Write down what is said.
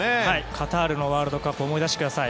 カタールのワールドカップ思い出してください。